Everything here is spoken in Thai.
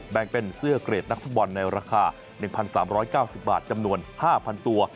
แบ่งเป็นเสื้อเกรดนักฟุตบอลในราคา๑๓๙๐บาทจำนวน๕๐๐ตัว